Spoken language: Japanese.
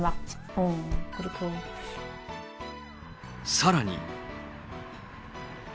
さらに。